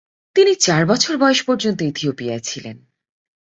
তিনি চার বছর বয়স পর্যন্ত ইথিওপিয়ায় ছিলেন।